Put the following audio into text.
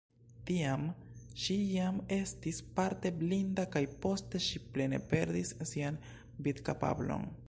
Tiam ŝi jam estis parte blinda kaj poste ŝi plene perdis sian vidkapablon.